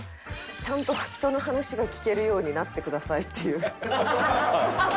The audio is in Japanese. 「ちゃんと人の話が聞けるようになってください」っていう。